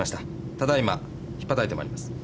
ただ今ひっぱたいてまいります。